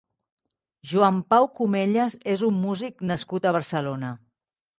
Joan Pau Cumellas és un músic nascut a Barcelona.